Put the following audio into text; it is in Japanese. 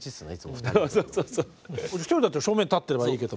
１人だったら正面立ってればいいけど。